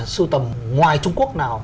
sưu tầm ngoài trung quốc nào